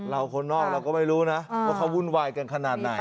คนนอกเราก็ไม่รู้นะว่าเขาวุ่นวายกันขนาดไหน